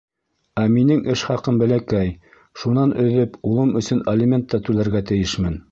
Ә минең эш хаҡым бәләкәй, шунан өҙөп, улым өсөн алимент та түләргә тейешмен.